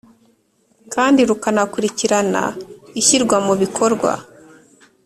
kandi rukanakurikirana ishyirwa mu bikorwa.